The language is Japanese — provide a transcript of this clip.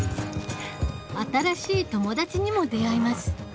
新しい友達にも出会います